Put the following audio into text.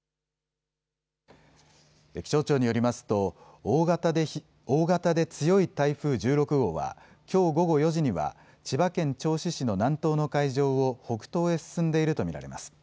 気象庁によりますと大型で強い台風１６号はきょう午後４時には千葉県銚子市の南東の海上を北東へ進んでいると見られます。